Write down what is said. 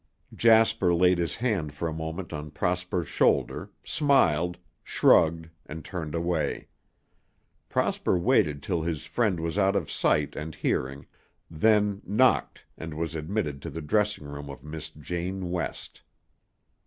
Jasper laid his hand for a moment on Prosper's shoulder, smiled, shrugged, and turned away. Prosper waited till his friend was out of sight and hearing, then knocked and was admitted to the dressing room of Miss Jane West.